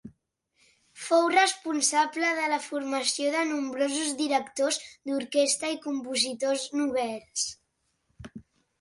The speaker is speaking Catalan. Fou responsable de la formació de nombrosos directors d'orquestra i compositors novells.